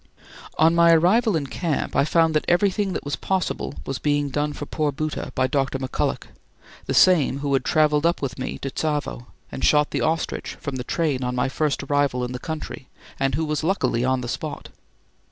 On my arrival in camp I found that everything that was possible was being done for poor Bhoota by Dr. McCulloch, the same who had travelled up with me to Tsavo and shot the ostrich from the train on my first arrival in the country, and who was luckily on the spot.